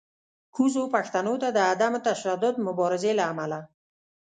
کوزو پښتنو ته د عدم تشدد مبارزې له امله